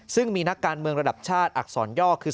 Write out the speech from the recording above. ซึ่งมีนักการเมืองระดับชาติอักษรย่อคือ